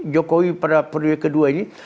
jokowi pada periode kedua ini